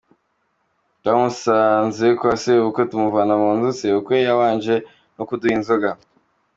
Twamusanze kwa Sebukwe, tumuvana mu nzu, sebukwe yabanje no kuduha inzoga.